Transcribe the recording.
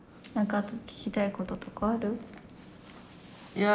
いや。